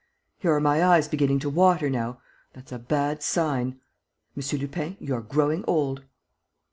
Here are my eyes beginning to water now! That's a bad sign. M. Lupin: you're growing old!"